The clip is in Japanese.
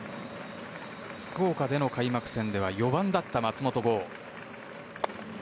福岡での開幕戦では４番だった松本剛。